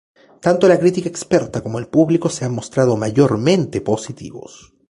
Tanto la crítica experta como el público se han mostrado mayormente positivos.